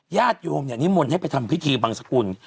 ญาติโยมเนี่ยนิมนต์ให้ไปทำพิธีบังสกุล